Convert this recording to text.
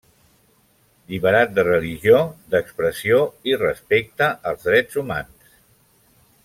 Lliberat de religió, d'expressió i respecte als drets humans.